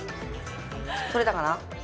取れたかな？